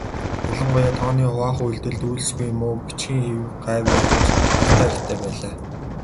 Ялангуяа тооны хуваах үйлдэлд үйлсгүй муу, бичгийн хэв гайгүй авч алдаа ихтэй байлаа.